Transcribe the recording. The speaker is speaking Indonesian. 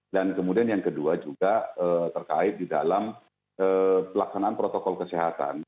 dan kemudian yang kedua juga terkait di dalam pelaksanaan protokol kesehatan